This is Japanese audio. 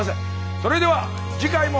それでは次回も。